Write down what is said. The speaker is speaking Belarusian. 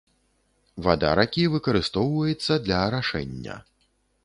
Вада ракі выкарыстоўваецца для арашэння.